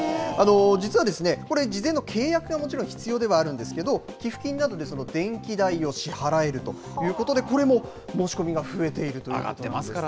実はですね、これ、事前の契約がもちろん、必要ではあるんですけれども、寄付金などで電気代を支払えるということで、これも申し込みが増えているということなんです。